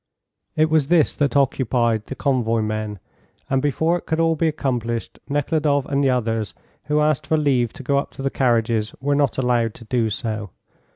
It was this that occupied the convoy men, and before it could all be accomplished Nekhludoff and the others who asked for leave to go up to the carriages were not allowed to do so.